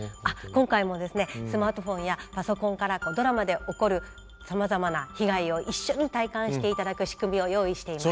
今回もですねスマートフォンやパソコンからドラマで起こるさまざまな被害を一緒に体感していただく仕組みを用意しています。